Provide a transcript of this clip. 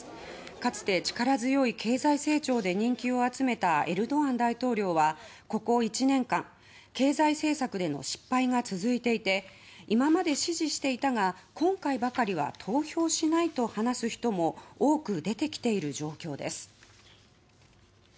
かつて力強い経済成長で人気を集めたエルドアン大統領はここ１年間経済政策での失敗が続いていて今まで支持していたが今回ばかりは投票しないと話す人も多く出てきている状況です。